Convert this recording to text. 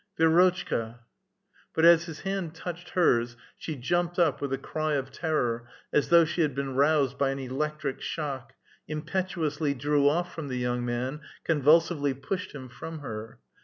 " Vi^rotchka !" But as his hand touched hers, she jumped up with a cr^ of terror, as though she had l)eeu roused by an electric shock, impetuously drew off from the young man, convulsively pushed him from her.